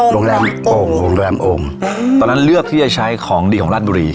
โรงแรมโอ่งโรงแรมโอ่งตอนนั้นเลือกที่จะใช้ของดีของราชบุรี